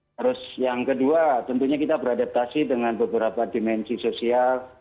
terus yang kedua tentunya kita beradaptasi dengan beberapa dimensi sosial